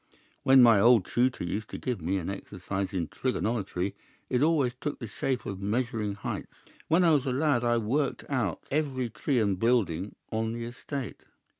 "'When my old tutor used to give me an exercise in trigonometry, it always took the shape of measuring heights. When I was a lad I worked out every tree and building in the estate.